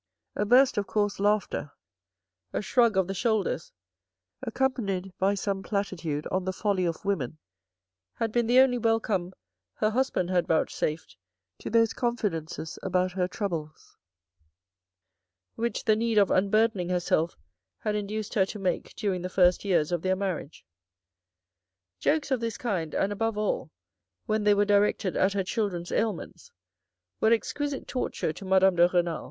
A burst of coarse" laughter, a shrug of the shoulders, accompanied by some platitude on the folly of women, had been the only welcome her husband had vouchsafed to those confidences about her troubles, which the need of unburdening herself had induced her to make during the first years of their marriage. Jokes of this kind, and above all, when they were directed at her children's ailments, were exquisite torture to Madame de Renal.